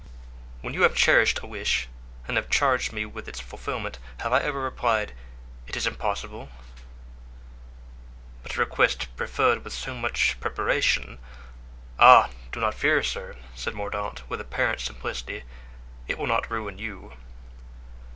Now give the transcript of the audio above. "When you have cherished a wish and have charged me with its fulfillment, have I ever replied, 'It is impossible'?" "But a request preferred with so much preparation——" "Ah, do not fear, sir," said Mordaunt, with apparent simplicity: "it will not ruin you."